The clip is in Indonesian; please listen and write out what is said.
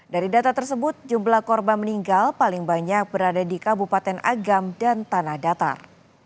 dari data tersebut jumlah korban meninggal paling banyak berada di kabupaten agam dan tanah datar